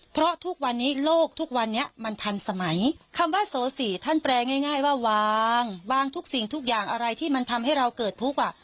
เพราะทุกวันนี้โลกทุกวันนี้มันทันสมัยคำว่าโสสี่ท่านแปลง่ายว่าวางวางทุกสิ่งทุกอย่างอะไรที่มันทำให้เราเกิดทุกข์อ่ะ